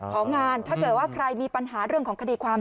ของงานถ้าเกิดว่าใครมีปัญหาเรื่องของคดีความ